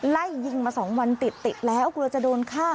ไล่ยิงมา๒วันติดแล้วกลัวจะโดนฆ่า